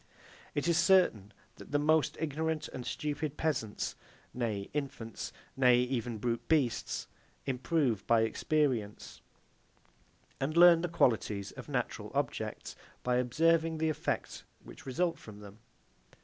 It is certain that the most ignorant and stupid peasants nay infants, nay even brute beasts improve by experience, and learn the qualities of natural objects, by observing the effects which result from them.